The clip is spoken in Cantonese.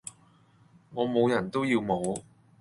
我無人都要無!